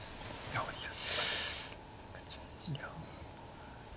ああいや。